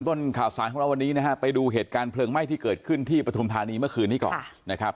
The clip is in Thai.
ต้นข่าวสารของเราวันนี้นะฮะไปดูเหตุการณ์เพลิงไหม้ที่เกิดขึ้นที่ปฐุมธานีเมื่อคืนนี้ก่อนนะครับ